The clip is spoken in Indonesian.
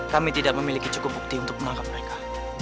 kami tidak memiliki cukup bukti untuk menangkap mereka